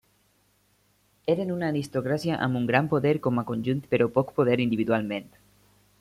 Eren una aristocràcia amb un gran poder com a conjunt però poc poder individualment.